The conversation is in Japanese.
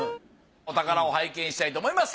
お宝を拝見したいと思います！